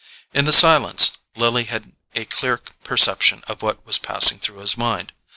In the silence Lily had a clear perception of what was passing through his mind.